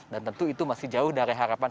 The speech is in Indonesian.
dan tentu itu masih jauh dari harapan